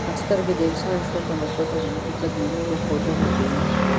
سترګې د انسان د ژوند د مثبتو او منفي بدلونونو ښودنه کوي.